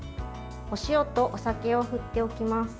お塩とお酒を振っておきます。